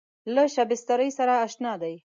له شبستري سره اشنا دی.